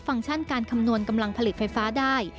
ฟังก์ชั่นการคำนวณกำลังผลิตไฟฟ้าได้